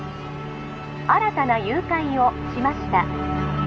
☎新たな誘拐をしました